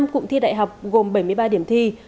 năm cụm thi đại học gồm bảy mươi ba điểm thi